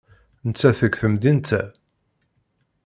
Netta seg temdint-a.